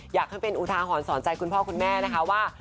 อยากให้เป็นอุทาหรณ์สอนใจคุณพ่อคุณแม่นะคะว่า